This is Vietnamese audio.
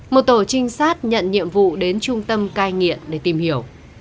một tổ trinh sát nhận nhiệm vụ đến trung tâm cai nghiện để tìm hiểu